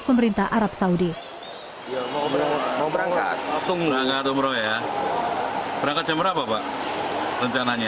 pemerintah arab saudi mau berangkat tunggu langkah umroh ya berangkat jam berapa pak rencananya empat